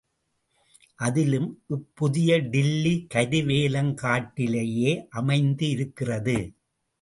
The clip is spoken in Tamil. அதிலும் இப்புதிய டில்லி கருவேலங்காட்டிலேயே அமைந்திருக்கிறது.